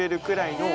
の